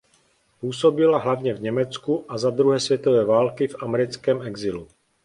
Působila hlavně v Německu a za druhé světové války v americkém exilu.